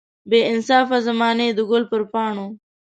بې انصافه زمانې د ګل پر پاڼو.